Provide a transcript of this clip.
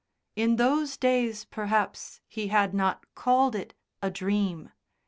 In those days, perhaps, he had not called it a dream.